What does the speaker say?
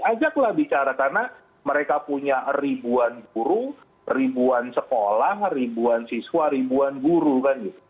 ajaklah bicara karena mereka punya ribuan guru ribuan sekolah ribuan siswa ribuan guru kan gitu